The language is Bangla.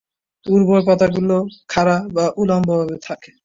উর্বর পাতাগুলো খাড়া বা উল্লম্বভাবে থাকে।